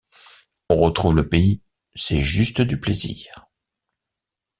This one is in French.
On retrouve le pays, c'est juste du plaisir.